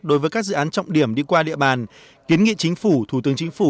đối với các dự án trọng điểm đi qua địa bàn kiến nghị chính phủ thủ tướng chính phủ